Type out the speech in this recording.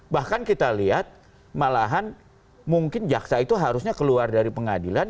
bahkan kita lihat malahan mungkin jaksa itu harusnya keluar dari pengadilan